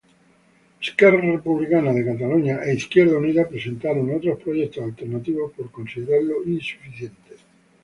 Esquerra Republicana de Catalunya e Izquierda Unida presentaron otros proyectos alternativos por considerarlo insuficiente.